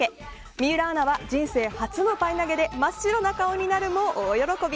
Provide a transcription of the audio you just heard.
水卜アナは、人生初のパイ投げで真っ白な顔になるも大喜び。